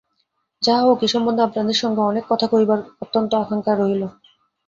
যাহা হউক, এ সম্বন্ধে আপনাদের সঙ্গে অনেক কথা কহিবার অত্যন্ত আকাঙ্ক্ষা রহিল।